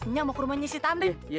nya mau ke rumahnya si tamrin